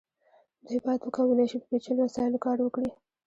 دوی باید وکولی شي په پیچلو وسایلو کار وکړي.